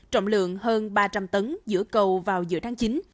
trọng lượng hơn ba trăm linh tấn giữa cầu vào giữa tháng chín